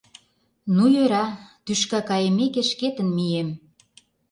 — Ну йӧра, тӱшка кайымеке, шкетын мием.